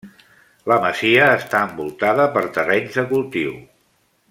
La masia està envoltada per terrenys de cultiu.